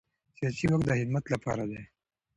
سیاسي واک د خدمت لپاره دی